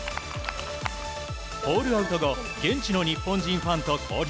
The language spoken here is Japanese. ホールアウト後、現地の日本人ファンと交流。